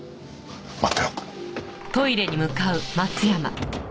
待ってろ。